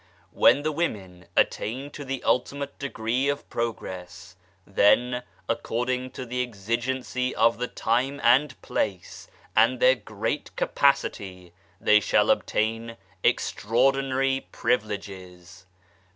When the women attain to the ultimate degree of progress, then, according to the exigency of the time and place and their great capacity, they shall obtain extraordinary privileges.